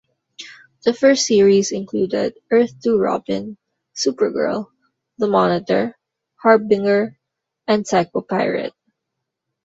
The first series included Earth-Two Robin, Supergirl, the Monitor, Harbinger and Psycho-Pirate.